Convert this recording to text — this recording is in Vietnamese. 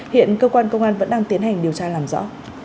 hiện cơ quan công an vẫn đang tiến hành điều tra làm rõ